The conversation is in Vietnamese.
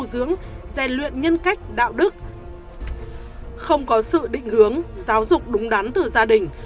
dưỡng dè luyện nhân cách đạo đức không có sự định hướng giáo dục đúng đắn từ gia đình